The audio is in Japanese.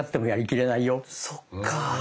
そっかあ。